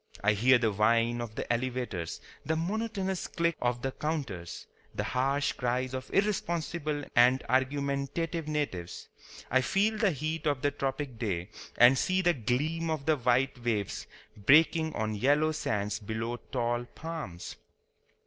I hear the whine of the elevators, the monotonous click of the counters, the harsh cries of irresponsible and argumentative natives. I feel the heat of the tropic day, and see the gleam of the white waves breaking on yellow sands below tall palms.